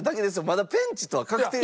まだペンチとは確定。